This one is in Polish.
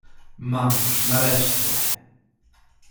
"Mam już nareszcie."